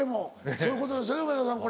そういうことですよね梅沢さん。